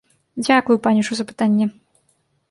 Дзякую, панічу, за пытанне!